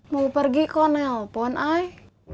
mau pergi kok nelpon ay